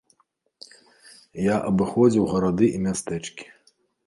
Я абыходзіў гарады і мястэчкі.